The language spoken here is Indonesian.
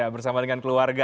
bersama dengan keluarga